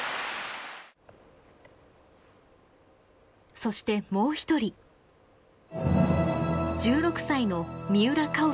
そしてもう一人１６歳の三浦佳生選手。